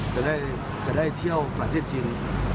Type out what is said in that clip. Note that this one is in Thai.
จะได้เที่ยวประเทศจีน